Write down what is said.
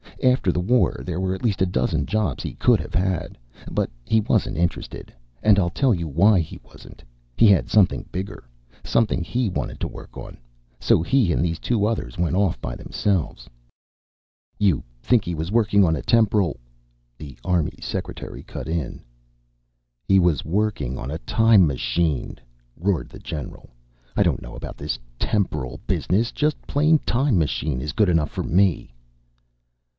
After the war, there were at least a dozen jobs he could have had. But he wasn't interested. And I'll tell you why he wasn't. He had something bigger something he wanted to work on. So he and these two others went off by themselves " "You think he was working on a temporal " the army secretary cut in. "He was working on a time machine," roared the general. "I don't know about this 'temporal' business. Just plain 'time machine' is good enough for me."